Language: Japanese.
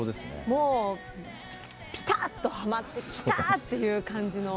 もうピタッとはまってキター！っていう感じの。